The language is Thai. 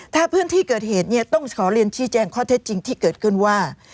ถ้าพื้นที่เกิดเหตุเนี่ยต้องขอเรียนชี้แจงข้อเท็จจริงที่เกิดขึ้นว่า